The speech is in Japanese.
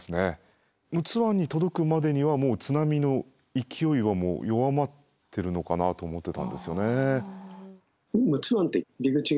陸奥湾に届くまでにはもう津波の勢いは弱まってるのかなと思ってたんですよね。